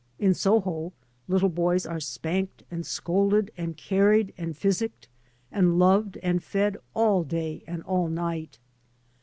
In Soho little boys are spanked and scolded and car ried and physicked and loved and fed all day and all night.